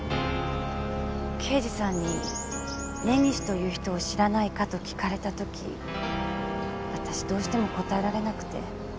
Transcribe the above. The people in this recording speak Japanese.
刑事さんに根岸という人を知らないかと聞かれた時私どうしても答えられなくて。